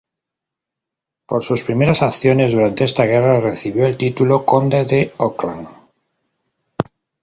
Por sus primeras acciones durante esta guerra, recibió el título de Conde de Auckland.